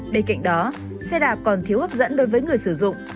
bên cạnh đó xe đạp còn thiếu hấp dẫn đối với người sử dụng